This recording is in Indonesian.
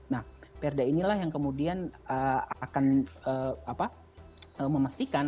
nah perda inilah yang kemudian akan memastikan apakah undang undang dengan tarif tersedia